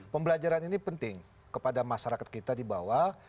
pembelajaran ini penting kepada masyarakat kita di bawah